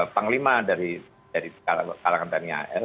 panglima dari dari kalangan tani al